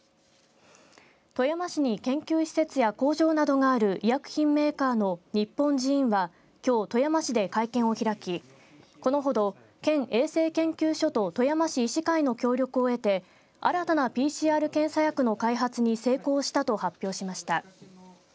富山市に研究施設や工場などがある医薬品メーカーのニッポンジーンはきょう富山市で会見を開きこのほど県衛生研究所と富山市医師会の協力を得て新たなＰＣＲ検査薬の開発に成功したと発表しました。